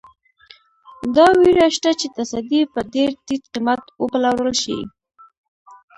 دا وېره شته چې تصدۍ په ډېر ټیټ قیمت وپلورل شي.